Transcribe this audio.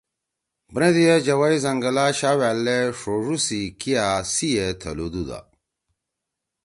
بندی اے جَوَئی زنگلا شا وألدے ݜُوڙُو سی کیا سی ئے تھلُودُودا۔